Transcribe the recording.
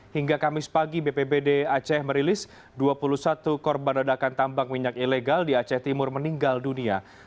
hingga kamis pagi bpbd aceh merilis dua puluh satu korban ledakan tambang minyak ilegal di aceh timur meninggal dunia